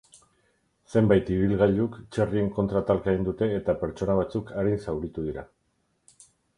Zenbait ibilgailuk txerrien kontra talka egin dute eta pertsona batzuk arin zauritu dira.